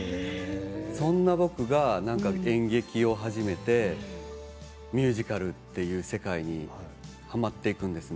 そんな僕が演劇を始めてミュージカルという世界にはまっていくんですよね。